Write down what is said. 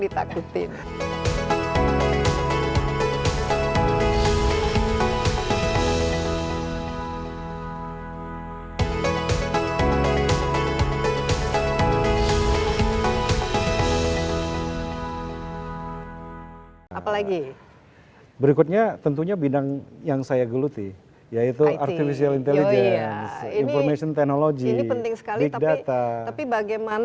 itu kan yang ditakutkan